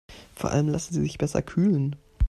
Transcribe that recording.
Vor allem lassen sie sich besser kühlen.